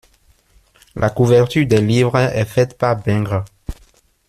La couverture des livres est faite par Bengrrr.